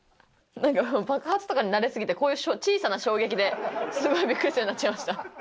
なんか、爆発とかに慣れ過ぎて、こういう小さな衝撃ですごいびっくりするようになっちゃいました。